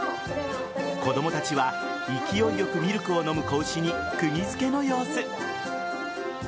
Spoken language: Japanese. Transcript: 子供たちは勢いよくミルクを飲む子牛に釘付けの様子。